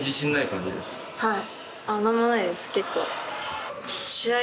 はい。